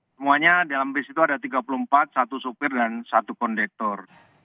semuanya dalam bis itu ada tiga puluh empat satu supir dan satu kondektor